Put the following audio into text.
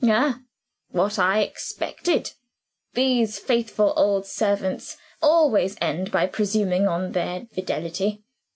"Ah just what I expected. These faithful old servants always end by presuming on their fidelity.